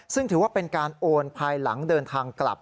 ซึ่งถือว่าเป็นการโอนภายหลังเดินทางกลับ